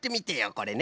これね。